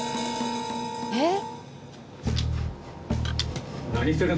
「えっ？」